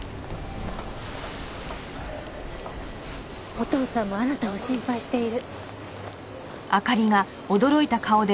お父さんもあなたを心配している。